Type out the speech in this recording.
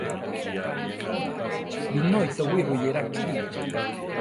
Binói towí ruyéra kili.